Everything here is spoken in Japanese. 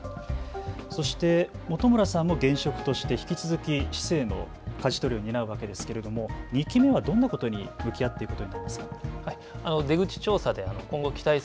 そして本村さんも現職として引き続き市政のかじ取りを担うわけですけれども２期目はどんなことに向き合っていくということになりますか。